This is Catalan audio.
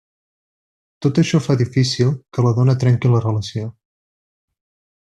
Tot això fa difícil que la dona trenqui la relació.